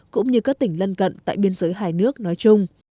cũng như các tỉnh lân cận tại biên giới hai nước nói chung